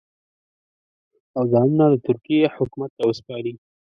او ځانونه د ترکیې حکومت ته وسپاري.